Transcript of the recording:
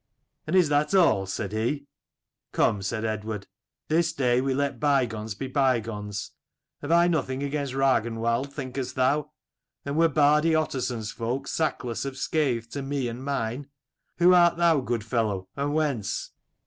'"And is that all? 'said he. 28 "'Come/ said Eadward: 'this day we let bygones be bygones. Have I nothing against Ragnwald, thinkst thou? and were Bardi Ottarson's folk sackless of scathe to me and mine ? Who art thou, good fellow, and whence